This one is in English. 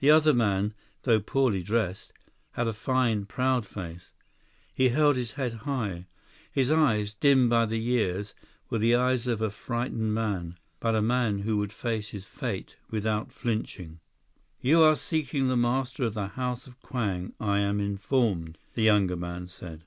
The other man, though poorly dressed, had a fine, proud face. He held his head high. His eyes, dimmed by the years, were the eyes of a frightened man, but of a man who would face his fate without flinching. 148 "You are seeking the master of the House of Kwang, I am informed," the younger man said.